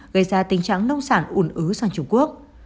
gây ra tình trạng nông sản u nứ sang trung quốc